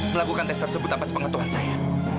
melakukan tes tersebut tanpa sepengetuhan saya